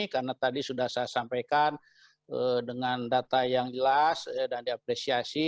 karena tadi sudah saya sampaikan dengan data yang jelas dan diapresiasi